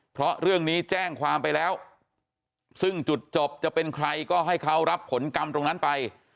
เพราะเรื่องนี้แจ้งความไปแล้วซึ่งจุดจบจะเป็นใครก็ให้เขารับผลกรรมตรงนั้นไป